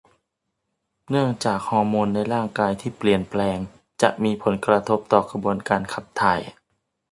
เนื่องจากฮอร์โมนในร่างกายที่เปลี่ยนแปลงจะมีผลกระทบต่อกระบวนการขับถ่าย